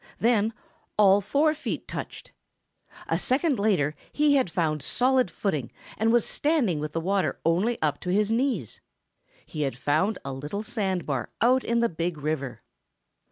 Then, all four feet touched. A second later he had found solid footing and was standing with the water only up to his knees. He had found a little sand bar out in the Big River.